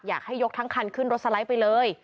ยกทั้งคันขึ้นรถสไลด์ไปเลย